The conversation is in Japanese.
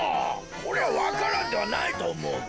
これはわか蘭ではないとおもうが。